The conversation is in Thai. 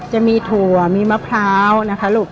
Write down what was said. จะมีถั่วมีมะพร้าวนะคะลูก